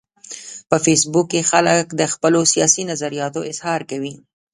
په فېسبوک کې خلک د خپلو سیاسي نظریاتو اظهار کوي